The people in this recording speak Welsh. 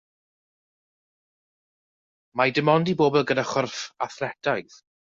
Mae dim ond i bobl gyda chorff athletaidd.